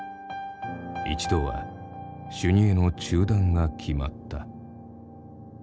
一度は修二会の中断が決まった。